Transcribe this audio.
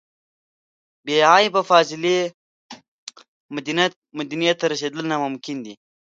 بې عیبه فاضلې مدینې ته رسېدل ناممکن دي.